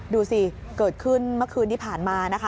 ดูสิเกิดขึ้นเมื่อคืนที่ผ่านมานะคะ